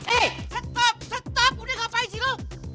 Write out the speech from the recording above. eh stop stop udah ngapain sih lo